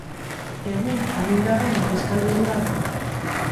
Egun adingabeen fiskalburua da.